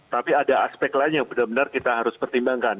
tapi ada aspek lain yang benar benar kita harus pertimbangkan